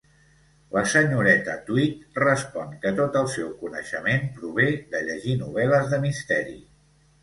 La senyoreta Tweed respon que tot el seu coneixement prové de llegir novel·les de misteri.